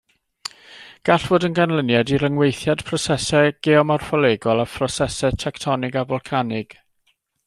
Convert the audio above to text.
Gall fod yn ganlyniad i ryngweithiad prosesau geomorffolegol a phrosesau tectonig a folcanig.